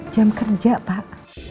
jam kerja pak